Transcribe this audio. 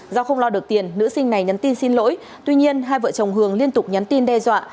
do không lo được tiền nữ sinh này nhắn tin xin lỗi tuy nhiên hai vợ chồng hường liên tục nhắn tin đe dọa